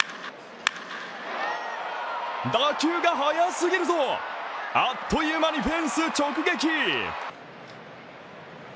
打球が速すぎるぞあっというまにフェンス直撃。